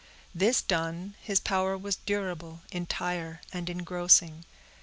This done, his power was durable, entire, and engrossing.